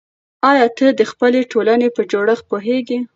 آیا ته د خپلې ټولنې په جوړښت پوهېږې؟